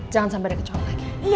jangan sampai ada kecok lagi